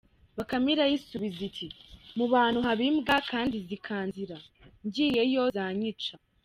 Bakame irayisubiza iti « mu bantu haba imbwa kandi zikanzira, ngiyeyo zanyica.